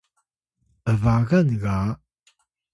’bagan ga